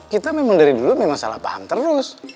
kita memang dari dulu memang salah paham terus